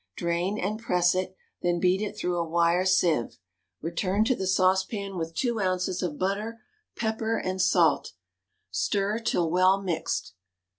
Drain and press it, then beat it through a wire sieve; return to the saucepan with two ounces of butter; pepper and salt; stir till well mixed.